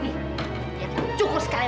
ayah aku cinta kau